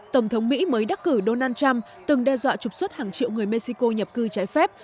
tổng thống mỹ mới đắc cử donald trump từng đe dọa trục xuất hàng triệu người mexico nhập cư trái phép